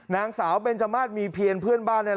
นางสาวเบนจมาสมีเพียรเพื่อนบ้าน